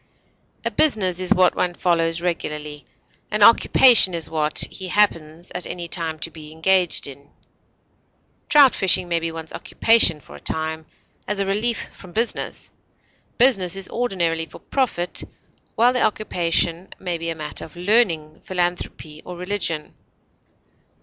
A business is what one follows regularly; an occupation is what he happens at any time to be engaged in; trout fishing may be one's occupation for a time, as a relief from business; business is ordinarily for profit, while the occupation may be a matter of learning, philanthropy, or religion.